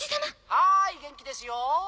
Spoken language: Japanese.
はい元気ですよ。